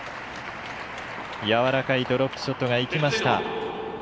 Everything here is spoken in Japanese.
やわらかいドロップショットが生きました。